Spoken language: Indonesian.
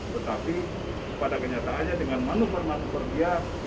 tetapi pada kenyataannya dengan manuformat seperti yang